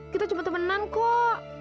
kita cuma temenan kok